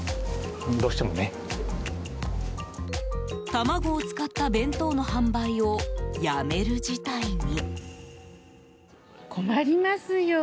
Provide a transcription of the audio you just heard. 卵を使った弁当の販売をやめる事態に。